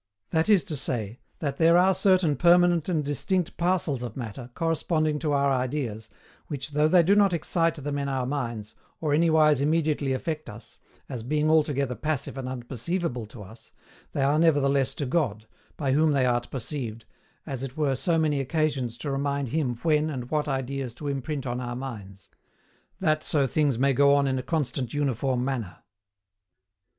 That is to say, that there are certain permanent and distinct parcels of Matter, corresponding to our ideas, which, though they do not excite them in our minds, or anywise immediately affect us, as being altogether passive and unperceivable to us, they are nevertheless to God, by whom they art perceived, as it were so many occasions to remind Him when and what ideas to imprint on our minds; that so things may go on in a constant uniform manner.